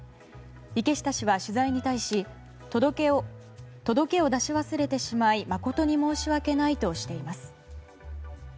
池下氏は取材に対し届けを出し忘れてしまい誠に申し訳ないとしています。